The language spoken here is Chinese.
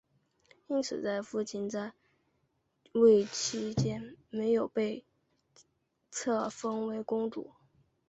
因此在父亲在位期间没有被册封为公主。